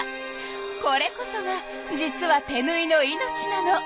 これこそが実は手ぬいの命なの。